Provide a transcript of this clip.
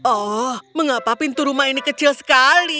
oh mengapa pintu rumah ini kecil sekali